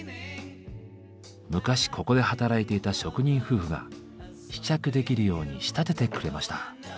昔ここで働いていた職人夫婦が試着できるように仕立ててくれました。